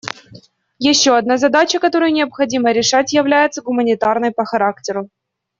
Еще одна задача, которую необходимо решать, является гуманитарной по характеру.